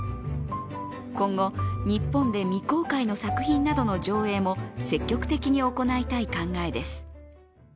今後、日本で未公開の作品などの上映も、積極的に行いたい考えです。